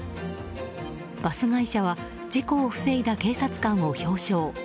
バス会社は事故を防いだ警察官を表彰。